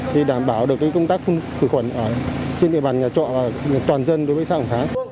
thì đảm bảo được cái công tác phun khử khuẩn trên địa bàn nhà trọ toàn dân đối với xã hội hóa